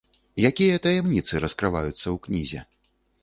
Якія таямніцы раскрываюцца ў кнізе?